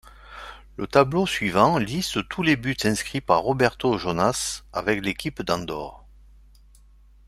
Le tableau suivant liste tous les buts inscrits par Roberto Jonás avec l'équipe d'Andorre.